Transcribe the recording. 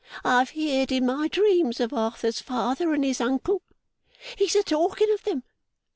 I've heerd, in my dreams, of Arthur's father and his uncle. He's a talking of them.